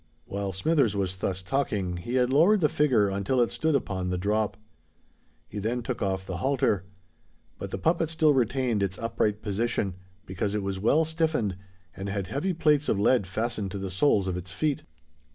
While Smithers was thus talking, he had lowered the figure until it stood upon the drop. He then took off the halter; but the puppet still retained its upright position, because it was well stiffened and had heavy plates of lead fastened to the soles of its feet.